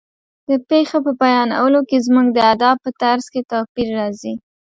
د پېښې په بیانولو کې زموږ د ادا په طرز کې توپیر راځي.